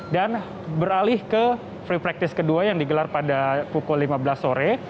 dan beralih ke free practice kedua yang digelar pada pukul lima belas sore